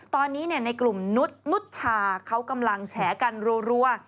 ตอนนี้ในกลุ่มนุษย์นุชชาเขากำลังแฉกันรัว